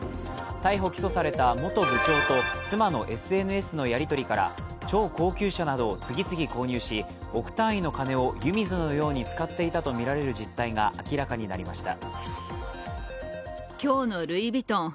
逮捕・起訴された元部長と妻のＳＮＳのやり取りから、超高級車などを次々購入し、億単位の金を湯水のように使っていたとみられる実態が明らかになりました。